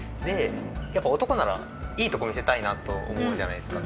やっぱ男ならいいところ見せたいなと思うじゃないですか。